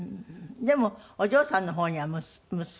でもお嬢さんの方には。